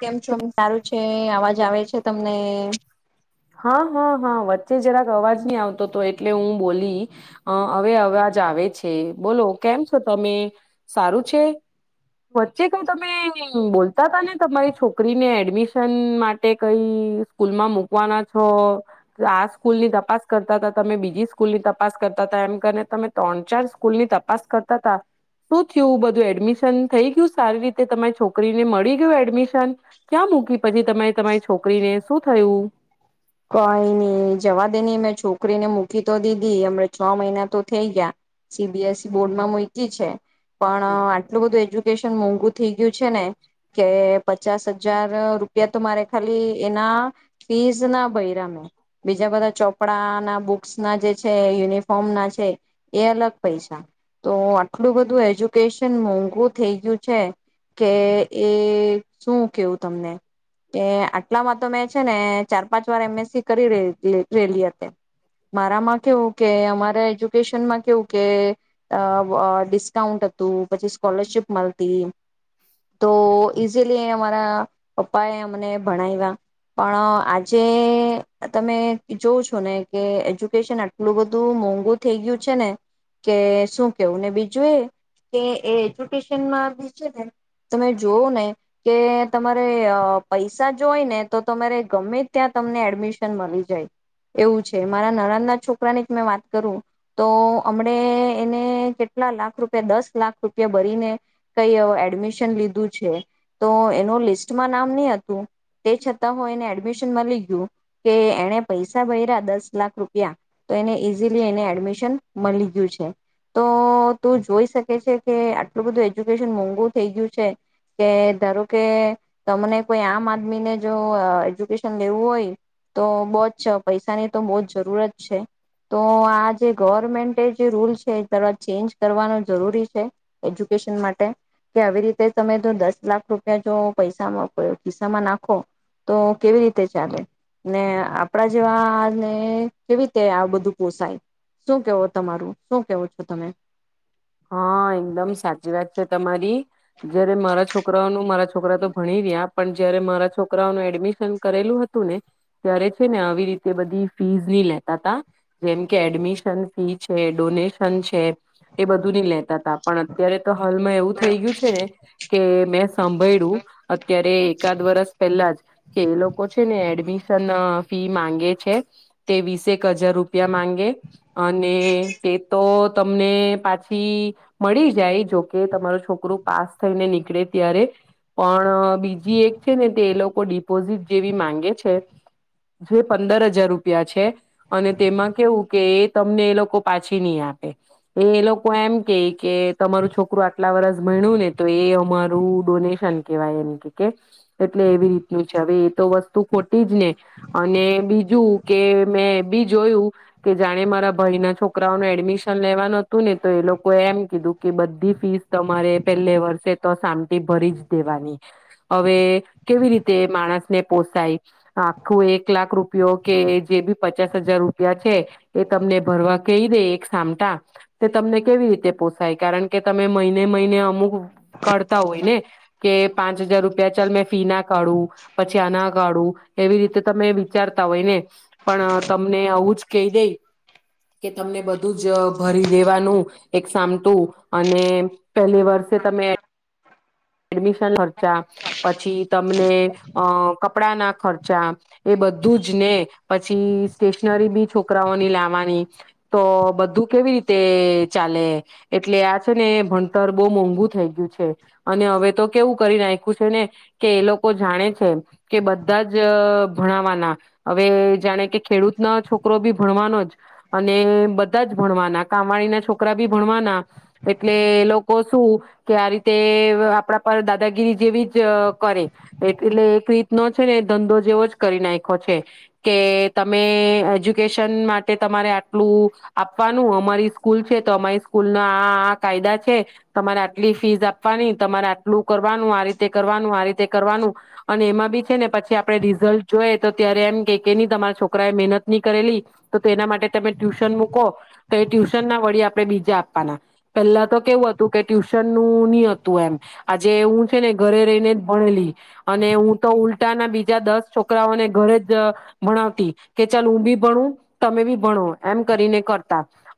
કેમ છોમ, સારું છે. આવાજ જ આવે છે, તમને. હા હા હા વાત ચ્ચે જરાક અવાજ નહી આવતો તો એટલે હું બોલી અ હવે અવાજ આવે છે. બોલો, કેમ છો તમે? સારું છે. વચ્ચે કઈ તમે બોલતા તા ને તમારી છોકરીને એડમિશન માટે કઈ સ્કૂલમાં મુક છ આ સ્કૂલની તપાસ કરતા ત તમે બીજી સ્કૂલની તપાસ કરતા ત એમ કરીને તમે ત્રણ ચાર સ્કૂલની તપાસ કરતા તા શું થયું બધું એડમિશન થઈ ગયું સારી રીતે તમારી છોકરીને મળી ગયું એડમિશન ક્યાં મૂકી પછી તમે તમારી છોકરીને શું થયું કઈ નઈ જવા દે ન મેં છોકરીને મૂકી તો દીધી હમણા છ મહિના તો થઈ ગયા સીબીએસઇ બોર્ડમાં મૂકી છે પણ આટલું બધું એજુ મોંઘું થઈ ગયું છે ને કે પચાસ હજાર રૂપિયા તો મારે ખાલી એના ફીસ ના ભયરામે બીજા બધા ચોપડા ના બુક્સ ના જે છે યુનિફોર્મ ના છે એ અલગ પૈસા તો આટલું બધું એજ્યુકેશન મોંઘુ થઈ ગયું છે કે એ શું કેવું તમને કે આટલામાં તો મેં છે ને ચાર એમસસી કરી રેલી હતી મારામાં કેવું કે અમારા એજ્યુકેશનમાં કેવું કે ડિસ્કાઉન્ટ હતું પછી સ્કોલરશીપ મળતી તો ઈઝીલી અમારા પપ્પા એ અમને ભણાવ્યા પણ જે તમે જોવં છો ને કે એજ્યુકેશન આટલું બધું મોંઘુ થઈ ગયું છે ને કે શું કેવું ને બીજું એ કે એ એજ્યુકેશનમાં બી છે ને તમે જોવ ને કે તમારે પૈસા જોય ને તો તમારે ગમે ત્યાં તમને એડમિશન મળી જાય એવું છે મારા નાના ના છોકરાની જ મેં વાત કરું તો હમને એને કેટલા લાખ રૂપિયા દસ લાખ રૂપિયા ભરીને કઈ એડમિશન લીધું છે તો એનું લિસ્ટમાં નામ નહી હતું તે છતાં હું એને એડમિશ કે એ પૈસા ભર્યા દસ લાખ રૂપિયા તો એને ઈઝીલી એને એડમિશન મળી ગયું છે તો તું જોઈ શકે છે કે આટલું બધું એજ્યુકેશન મોંઘું થઈ ગયું છે કે ધારો કે તમને કોઈ આમ આદમીને જો લેવું હોય તો બ જ પૈસાની તો બહ જ જરૂરત છે તો આ જે ગવર્મેન્ટ જે રૂલ છે ચેન્જ કરવાનો જરૂરી છે એજ્યુકેશન માટે કે આવી રીતે તમે જો દસ લાખ રૂપિયા જો પૈસામાં કિસ્સામાં નાખો તો કેવી રીતે ચાલે ને આપણા જેવાને કેવી રીતે આ બધું પોસાય શું કેવો તમારું શું કેવો છો તમે હા એકદમ સાચી વાત છે તમારી જયારે મારા છોકરાઓનું મારા છોકરા તો ભણી રહ્યા પણ જયારે મારા છોકરાઓનું એડમિશન કરેલું હતું ને ત્યારે છે ને આવી રીતે બધી ફીઝ નહી લેતા તા જેમ કે એડમિશન ફી છે ડોનેશન છે એ બધું નહી લેતા તા પણ અત્યારે તો હાલમાં એવું થઈ ગયું છે ને કે મેં સાંભળ્યું અત્યારે એકાદ વરસ પહેલા જ કે એ લોકો છે ને એડમિ ન ફી માંગે છે તે વીસેક હજાર રૂપિયા માંગે અને તે તો તમને પાછી મળી જાય જોકે તમારું છોકરું પાસ થઈને નીકળે ત્યારે પણ બીજી એક છે ને તે એ લોકો ડિપોઝિટ જેવી માંગે છે જે પંદર હજાર રૂપિયા છે અને તેમાં કેવું કે એ તમને એ લોકો પાછી નહી આપે એ લોકો એમ કે તમારું છોકરું આટલા વર્ષ ભણ્યું ને તો એ અમારું ડોનેશન કેવાય એમ કે એટલે એવી રીતનું છે હવે એ તો વસ્તુ ખોટી જ ને અને બીજું કે મેં એ બી જોયું કે જાણે મારા ભાઈ ના છોકરાઓને એડમિશન લેવાનું હતું ને તો એ લોકો એમ કીધું કે બધી ફીસ તમારે પહેલે વર્ષે તો સામટી ભરી જ દેવાની હવે કેવી રીતે માણસને પોસાય આખું એક લાખ રૂપિયો કે જે બી પચાસ હજાર રૂપિયા છે એ તમને ભરવા કહી દે એક સામટા તે તમને કેવી રીતે પોસાય કારણ કે તમે મહિને મહિને અમુક કરતા હોય ને કે પાંચ હજાર રૂપિયા ચાલ મેં ફી ના કાઢું પછી આ ના કાઢું એવી રીતે તમે વિચારતા હોય ને પણ તમને આવું જ કહી દે કે તમને બધું જ ભરી લેવાનું એકસમતું અને પહેલી વર્ષે તમે એડમિશન ખર્ચા પછી તમને અ કપડા ના ખર્ચા એ બધું જ ને પછી સ્ટેશનરી બી છોકરાઓની લાવવાની તો બધું કેવી રીતે તે ચાલે એટલે આ છે ને ભણતર બહુ મોંઘું થઈ ગયું છે અને હવે તો કેવું કરી નાખ્યું છે ને કે એ લોકો જાણે છે કે બધા જ ભણવાના હવે જાણે કે ખેડૂત ના છોકરો બી ભણવાનો જ અને બધા જ ભણવાના કામવાણી ના છોકરા બી ભણવાના એટલે એ લોકો શું કે આ રીતે આપડા પર દાદાગીરી જેવી જ કરે એટલે એક રીતનો છે ને ધંધો જેવો જ કરી નાખખો છે કે તમે એજ્યુકેશન માટે તમારે આટલું આપવાનું અમારી સ્કૂલ છે તો અમારી સ્કૂલ ના આ કાયદા છે તમારે આટલી ફીઝ આપવાની તમારે આટલું કરવાનું આ રીતે કરવાનું આ રીતે કરવાનું અને એમાં બી છે ને પછી આપડ રિઝલ્ટ જોએ તો ત્યારે એમ કે કે નહી તમારા છોકરા એ મહેનત નહી કરેલી તો એના માટે તમે ટ્યુશન મૂકો તો એ ટ્યુશન ના વડી આપણે બીજા આપવાના પેલા તો કેવું હતું કે ટ્યુશન નું નહી હતું એમ આજે હું છે ને ઘરે રહીને જ ભણેલી અને હું તો ઉલટા ના બીજા દસ છોકરાઓને ઘરે જ ભણાવતી કે ચાલ હું બી ભણું તમે બી ભણો એમ કરીને કર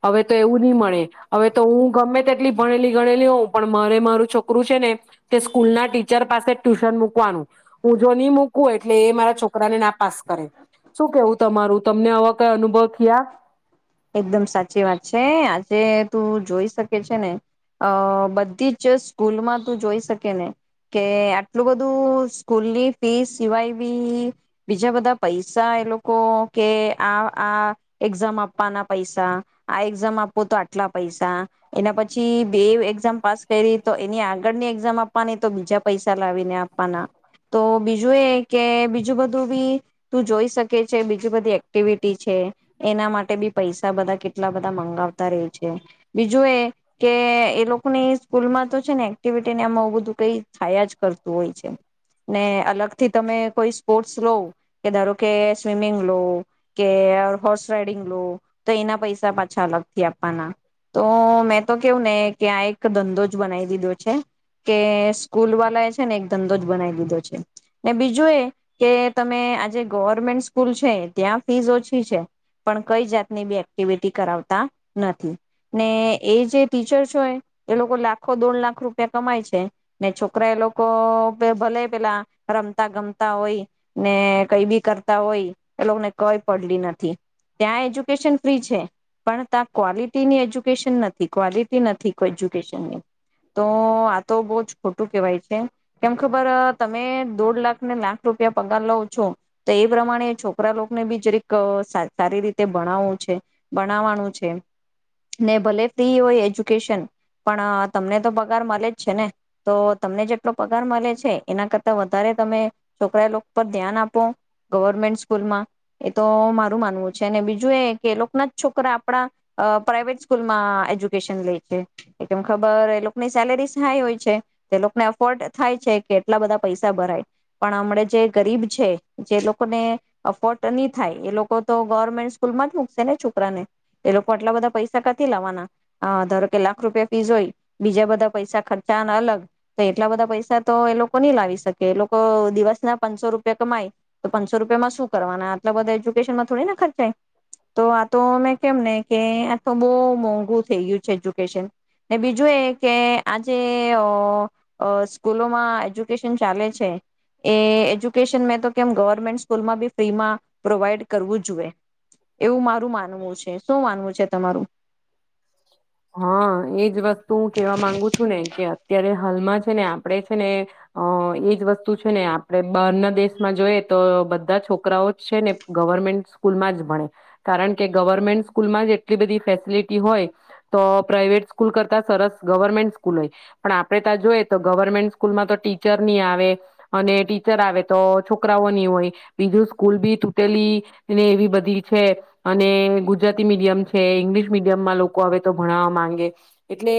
હવે તો એવું નહી મળે હવે તો હું ગમે તેટલી ભણેલી ગણેલી હોઉં પણ મારે મારું છોકરું છે ને તે સ્કૂલ ના ટીચર પાસે ટ્યુશન મૂકવાનું હું જો નહી મૂકવું એટલે એ મારા છોકરાને ના પાસ કરે શું કેવું તમારું તમને હવા કઈ અનુભવ થયા એકદમ સાચી વાત છે આજે તું જોઈ શકે છે ને અ બધી જ સ્કૂલમાં તું જોઈ શકે ને કે આટલું બધું સ્કૂલની ફી સિવાય બી બીજા બધા પૈસા એ લોકો કે આ આ એક્ઝામ પૈસા આ એક્ઝામ આપો તો આટલા પૈસા એના પછી બે એક્ઝામ પાસ કરી તો એની આગળની એક્ઝામ આપવાની તો બીજા પૈસા લાવીને આપવાના તો બીજું એ કે બીજું બધું બી તું જોઈ શકે છે બીજી બધી એક્ટિવિટી છે એના માટે બી પૈસા બધા કેટલા બધા મંગાવતા રહે છે બીજું એ કે એ લોકોને સ્કૂલમાં તો છે ને એક્ટિવિટી ને આમાં બ બધું કઈ થાયા જ કરતું હોય છે ને અલગ થી તમે કોઈ સ્પોર્ટસ લો કે ધારો કે સ્વિમિંગ લો કે હોર્સ રાઈડ તો એના પૈસા પા અચ્છા લગતી આપવાના તો મેં તો કેવું ને કે આ એક ધંધો જ બનાવી દીધો છે કે સ્કૂલ વાળ એ છે ને એક ધંધો જ બનાવી દીધો છે ને બીજું એ કે તમે આજે ગવર્મેન્ટ સ્કૂલ છે ત્યાં ફીસ ઓછી છે પણ કઈ જાતને બી એક્ટિવિટી કરાવતા નથી ને એ જે ટીચર્સ હોય એ લોકો લાખો દોઢ લાખ રૂપ કમાય છે ને છોકરા એ લોકો ભલે પેલા રમતા ગમતા હોય ને કઈ બી કરતા હોય એ લોકોને કઈ પડલી નથી ત્યાં એજ્યુકેશન ફ્રી છે પણ ત્યાં ક્વોલિટીની એજ્યુકેશન નથી ક્વોલિટી નથી ઠીક એજુકેશન તો આ તો બહ જ ખોટું કેવાય છે કેમ ખબર તમે દોઢ લાખને લાખ રૂપિયા પગાર લ છો તો એ પ્રમાણે છોકરા લોકોને બી જરેક સારી રીતે ભણાવવું છે ભણાવવાનું છે ને ભલે ફ્રી હોય એજ્યુકેશન પણ તમને તો પગાર મળે જ છે ને તો તમને જેટલો પગાર મળે છે એના કરતા વધારે તમે છોકરા લોકો પર ધ્યાન આપો ગવર્મેન્ટ સ્કૂલમાં એ તો મારું માનવું છે. છે ને બીજું એ કે એ લોકોના જ છોકરા આપણા પ્રાાઈવેટ સ્કૂલમાં એજ્યુકેશન લે છે કેમ ખબર એ લોકોની સેલેરી હાઈ હોય છે એ લોકોને અફોર્ડ થાય છે કે એટલા બધા પૈસા ભરાય પણ હમણા જે ગરીબ છે જે લોકોને અફોર્ડ નહી થાય એ લોકો તો ગવર્મેન્ટ સ્કૂલમાં જ મુૂકશે ને છોકરાને એ લોકો આટલા બધા પૈસા કાથી લાવવાના ધારો કે લાખ રૂપિયા ફીસ હોય બીજા બધા પૈસા ખર્ચાના અલગ તો એટલા બધા પૈસા તો એ લોકો નહી લાવી શકે એ લોકો દિવસ ના પંચસો રૂપિયા કમાય તો પંચસો રૂપિયામાં શું કરવાના આટલા બધા એજ્યુકેશનમાં થોડી ના તો આ તો મેં કેમ ને કે આ તો બહુ મોંઘું થઈ ગયું છે એજ્યુકેશન ને બીજું એ કે આજે સ્કૂલોમાં એજ્યુકેશન ચાલે છે એ એજ્યુકેશન મેં તો કેમ ગવર્મેન્ટ સ્કૂલમાં બી ફ્રીમાં પ્રોવાઈડ કરવું જોઈએ. એવું મારું માનવું છે. શું માનવું છે તમારું? હા એજ વસ્તુ હું કેવા માંગુ છું ને કે અત્યારે હાલમાં છે ને આપણે છે ને અ એજ વસ્તુ છે ને આપણે બહારના દેશમાં જોઈએ તો બધા છોકરાઓ જ છે ને ગવર્મેન્ટ સ્કૂલમાં જ ભણે કારણ કે ગવર્મેન્ટ સ્કૂલમાં જ એટલી બધી ફેસિલિટી હોય તો પ્રાાઈવેટ સ્કૂલ કરતા સરસ ગવર્મેન્ટ સ્કૂલ હોય પણ આપડે ત્યાં જોઈએ તો ગવર્મેન્ટ સ્કૂલમાં તો ટીચરની આવે અને ટીચર આવે તો છોકરાઓ ની હોય બીજું સ્કૂલ બી તૂટેલી ને એવી બધી છે અને ગુજરાતી મીડિયમ છે ઈંગ્લિશ મીડિયમમાં લોકો તો ભણાવવા માંગે એટલે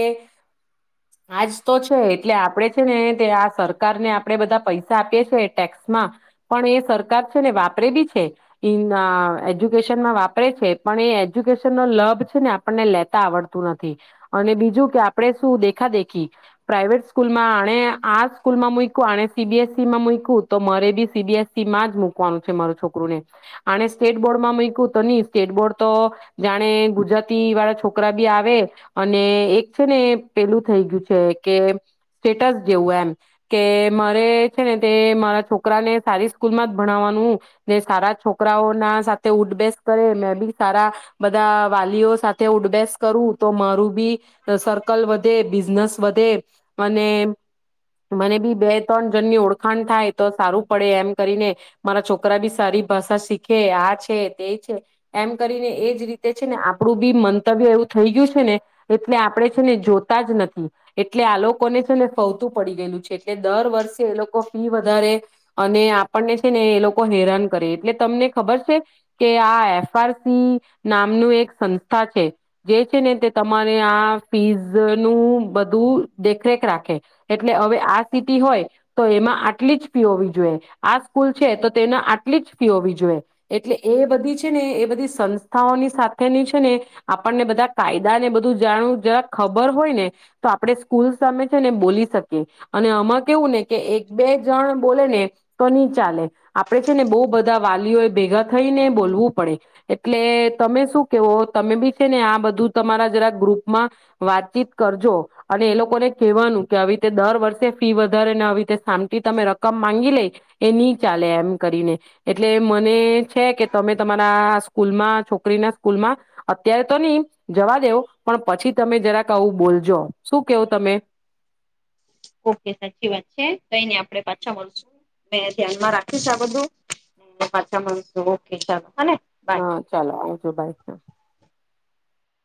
આજ તો છે એટલે આપડે છે ને આ સરકારને આપડે બધા પૈસા આપીએ છ છે ટેક્સમાં પણ એ સરકાર છે ને વાપરે બી છે ઇન એજ્યુકેશનમાં વાપરે છે પણ એ એજ્યુકેશનનો લભ છે ને આપણને લે આવડતું નથી અને બીજું કે આપણે શું દેખા દેખી પ્રાાઈવેટ સ્કૂલમાં આ આ સ્કૂલ માં મૂકું આ સીબીએસઇ માં મૂકું તો મારે બી સીબીએસસી માં જ મુૂકવાનું છે મારું છોકરુને આ સ્ટેટ બોર્ડ માં મૂકું તો નહી સ્ટેટ બોર્ડ તો જાણે ગુજરાતી વાળા છોક છોકરા બી આવે અને એક છે ને પેલું થઈ ગયું છે કે સ્ટેટસ જેવું એમ કે મારે છે ને તે મારા છોકરા ને સારી સ્કૂલમાં જ ભણાવવાનું ને સારા છોકરાઓ ના સાથે ઉડબેસ કરે મેં બી સારા બધા વાલીઓ સાથે ઉઠબેસ કરું તો મારું બી સર્કલ વધે બિઝનેસ વધે અને મને બી બે ત્રણ જણની ઓળખાણ થાય તો સારું પડે એમ કરીને મારા છોકરા બી સારી ભાષા શીખે આ છે તે છે એમ કરીને એજ રીતે છે ને આપડું બી મન કરતવ્ય એવું થઈ ગયું છે ને એટલે આપડે છે ને જોતા જ નથી એટલે આ લોકોને છે ને ફવતું પડી ગયેલું છે એટલે દર વર્ષે એ લોકો ફી વધારે અને આપણને છે ને એ લોકો હેરાન કરે એટલે તમને ખબર છે કે આ એફઆરસી નામનું એક સંસ્થા છે. જે છે ને તે તમારે આ ફીઝ નું બધું દેખરેખ રાખે એટલે હવે આ સિટી હોય તો એમાં આટલી જ ફી હોવી જોઈએ આ સ્કૂલ છે તો તેના આટલી જ ફી હોવી જોઈએ એટલે એ બધી છે ને એ બધી સંસ્થાઓની સાથેની છે ને આપણને બધા કાયદા ને બધું જાણવું જરા ખબર હોય ને તો આપડણે સ્કૂલ સામે ને બોલી શકે. અને આમાં કેવું ને કે એક બે જણ બોલે ને તો ની ચાલે આપડે છે ને બહુ બધા વાલીઓ એ ભેગા થઈ ને બોલવું પડે એટલે તમે શું કેવો તમે બી ને આ બધું તમારા જરા ગ્રુપમાં વાતચીત કરજો અને એ લોકોને કહેવાનું કે આવી રીતે દર વર્ષે ફી વધારે ને આવી રીતે સામટી તમે રકમ માંગી લે એ નહી ચાલે એમ કરીને એટલે મને છે કે તમે તમારા સ્કૂલમાં છોકરી ના સ્કૂલમાં ત્યારે તો ની જવા દેવ પણ પછી તમે જરાક આવું બોલજો શું કેવો તમે? ઓકે સાચી વાત છે કઈ નઈ આપડે પાછા મળશું મે ધ્યાનમાં રાખીશ આ બધું પાછા મળશું ઓકે ચાલો હને. બાય હા ચાલો આવજો ભાઈ હ.